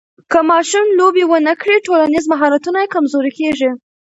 که ماشوم لوبې ونه کړي، ټولنیز مهارتونه یې کمزوري کېږي.